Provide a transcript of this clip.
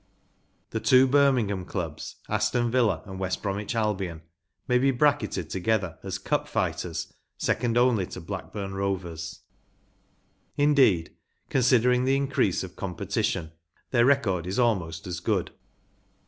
The two Birmingham clubs, Aston Villa and West Bromwich Albion, may be bracketed together as Cup fighters second only to Blackburn Rovers. Indeed, considering the increase of competition, their record is almost as good.